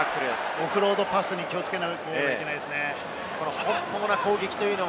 オフロードパスに気をつけなければいけないですね。